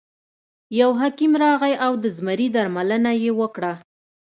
یو حکیم راغی او د زمري درملنه یې وکړه.